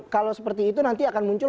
kalau seperti itu nanti akan muncul